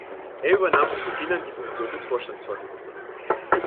Er übernahm von Beginn an die Funktion des Vorstandsvorsitzenden.